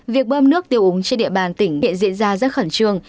việc bơm nước tiêu úng trên địa bàn tỉnh hiện diễn ra rất khẩn trương